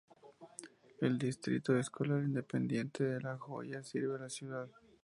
El Distrito Escolar Independiente de La Joya sirve a la ciudad.